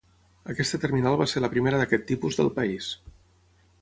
Aquesta terminal va ser la primera d'aquest tipus del país.